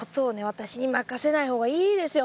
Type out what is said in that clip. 私に任せない方がいいですよ。